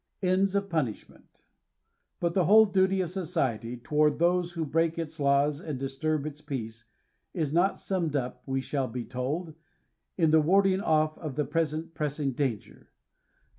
10 ENDS OF PUNISHMENT. But the whole duty of society toward those who hreak its laws and disturb its peace, is not summed up* we shall be told, in the warding offof present, pressing danger.